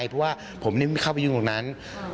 เพราะว่าผมเข้าไปยืนตรงนั้น